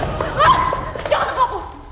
jangan suka aku